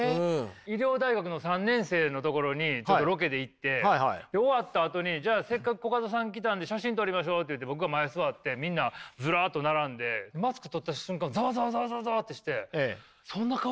医療大学の３年生のところにロケで行って終わったあとにじゃあせっかくコカドさん来たんで写真撮りましょうって言って僕が前座ってみんなズラっと並んでマスク取った瞬間にザワザワザワザワってしてそんな顔してたんだって言って。